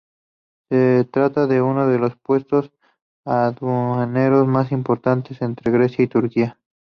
Se trata de uno de los puestos aduaneros más importantes entre Grecia y Turquía.